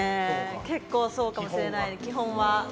結構そうかもしれない、基本は。